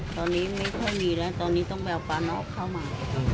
ตอนนี้ไม่ค่อยมีแล้วตอนนี้ต้องไปเอาปลานอกเข้ามา